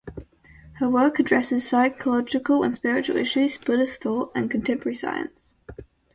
Her work addresses psychological and spiritual issues, Buddhist thought, and contemporary science.